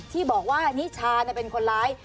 ที่บอกว่านิชาเป็นคนร้าย